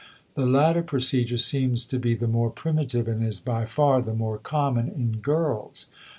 The latter procedure seems to be the more primitive and is by far the more common in girls.